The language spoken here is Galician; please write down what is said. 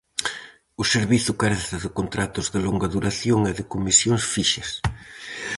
O servizo carece de contratos de longa duración e de comisións fixas.